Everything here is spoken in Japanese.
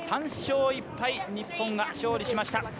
３勝１敗日本が勝利しました。